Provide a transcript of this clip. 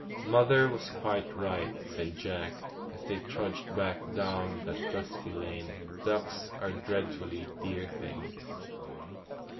'Mother was quite right,' said Jack, as they trudged back down that dusty lane; 'ducks are dreadfully dear things!